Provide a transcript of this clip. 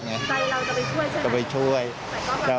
ใจเราจะไปช่วยใช่ไหม